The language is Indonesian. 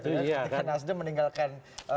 ketika nasdem meninggalkan